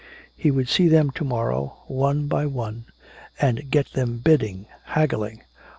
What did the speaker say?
He would see them to morrow, one by one, and get them bidding, haggling.